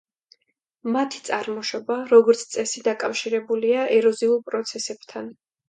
მათი წარმოშობა როგორც წესი დაკავშირებულია ეროზიულ პროცესებთან.